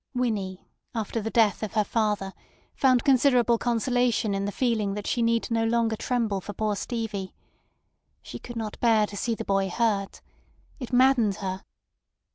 Winnie after the death of her father found considerable consolation in the feeling that she need no longer tremble for poor Stevie. She could not bear to see the boy hurt. It maddened her.